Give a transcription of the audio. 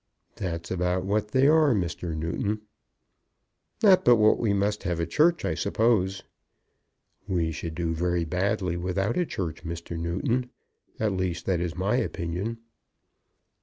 "That's about what they are, Mr. Newton." "Not but what we must have a Church, I suppose." "We should do very badly without a Church, Mr. Newton. At least that is my opinion."